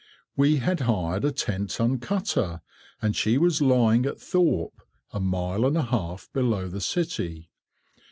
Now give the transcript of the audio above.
We had hired a ten ton cutter, and she was lying at Thorpe, a mile and a half below the city.